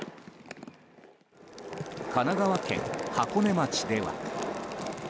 神奈川県箱根町では。